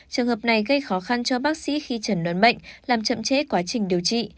trường hợp này gây khó khăn cho bác sĩ khi trần đoán bệnh làm chậm chế quá trình điều trị